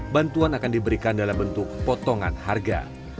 bantuan akan diberikan dalam bentuk potongan harga